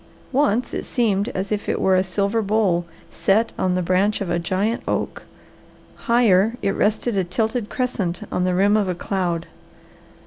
Once it seemed as if it were a silver bowl set on the branch of a giant oak; higher, it rested a tilted crescent on the rim of a cloud.